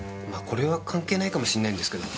これは関係ないかもしれないんですけど。